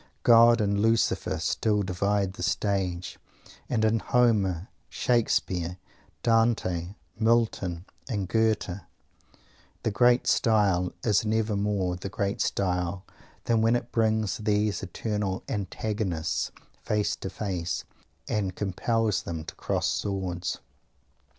God and Lucifer still divide the stage, and in Homer, Shakespeare, Dante, Milton, and Goethe the great style is never more the great style than when it brings these eternal Antagonists face to face, and compels them to cross swords.